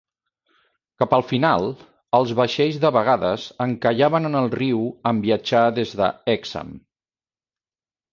Cap al final, els vaixells de vegades encallaven en el riu en viatjar des de Hexham.